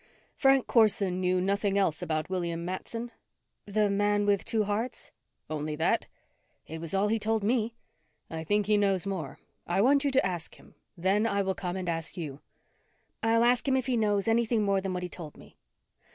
"Frank Corson knew nothing else about William Matson?" "The man with two hearts?" "Only that?" "It was all he told me." "I think he knows more. I want you to ask him. Then I will come and ask you." "I'll ask him if he knows anything more than what he told me."